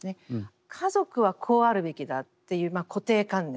家族はこうあるべきだっていう固定観念